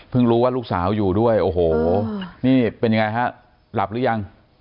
รู้ว่าลูกสาวอยู่ด้วยโอ้โหนี่เป็นยังไงฮะหลับหรือยัง